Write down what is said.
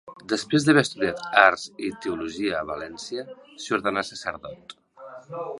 Després d'haver estudiat arts i teologia a València, s'hi ordenà sacerdot.